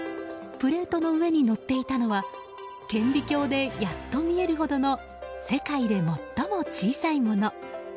プレートの上に載っていたのは顕微鏡でやっと見えるほどの世界で最も小さいもの。